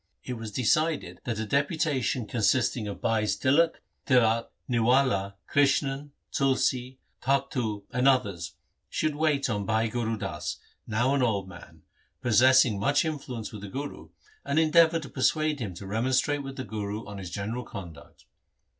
It was decided that a deputation consisting of Bhais Tilak, Tirath, Niwala, Krishan, Tulsi, Takhtu, and others should wait on Bhai Gur Das, now an old man, possessing much influence with the Guru, and endeavour to persuade him to remonstrate with the Guru on his general conduct.